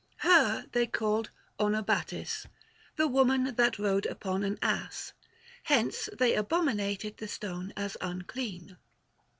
Her they called Onobatis (the woman that rode upon an ass) ; hence they abominated the stone as unclean.